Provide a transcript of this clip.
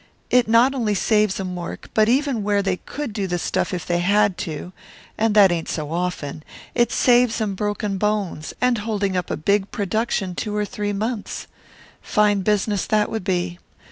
It not only saves 'em work, but even where they could do the stuff if they had to and that ain't so often it saves 'em broken bones, and holding up a big production two or three months. Fine business that would be.